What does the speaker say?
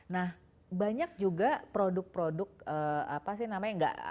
nah banyak juga produk produk apa sih namanya nggak